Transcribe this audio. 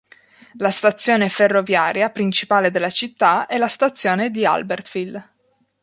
La stazione ferroviaria principale della città è la stazione di Albertville.